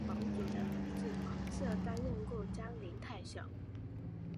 蒯越和黄祖的儿子黄射担任过章陵太守。